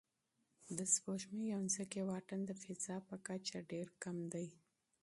د سپوږمۍ او ځمکې واټن د فضا په کچه ډېر کم دی.